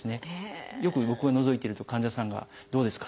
よく僕がのぞいてると患者さんが「どうですか？